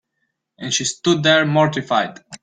And she stood there mortified.